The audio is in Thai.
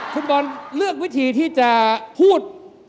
คุณบอลเลือกวิธีที่จะพูด